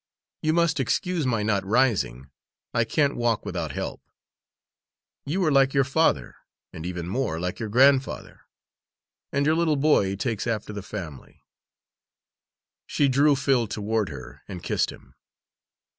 You must excuse my not rising I can't walk without help. You are like your father, and even more like your grandfather, and your little boy takes after the family." She drew Phil toward her and kissed him.